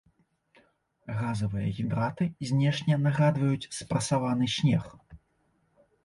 Газавыя гідраты знешне нагадваюць спрасаваны снег.